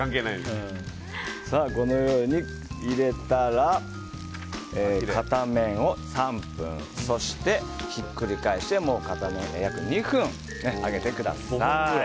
このように入れたら片面を３分そして、ひっくり返してもう片面を約２分揚げてください。